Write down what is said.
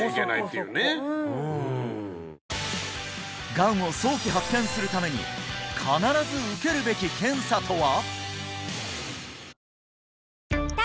がんを早期発見するために必ず受けるべき検査とは？